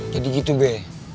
jadi gitu be